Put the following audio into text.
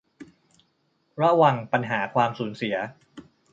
ระวังปัญหาความสูญเสีย